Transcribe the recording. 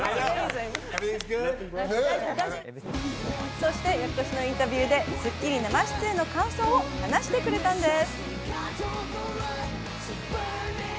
そして翌年のインタビューで『スッキリ』生出演の感想を話してくれたんです。